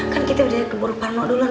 kan kita udah ke boroparmo duluan